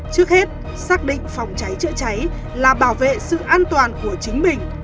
trước hết xác định phòng cháy chữa cháy là bảo vệ sự an toàn của chính mình